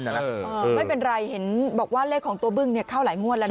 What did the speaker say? ไม่เป็นไรเห็นบอกว่าเลขของตัวบึ้งเข้าหลายงวดแล้วนะ